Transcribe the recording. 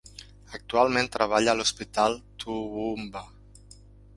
Actualment treballa a l'hospital Toowoomba.